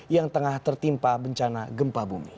yang tengah tertimpa bencana gempa bumi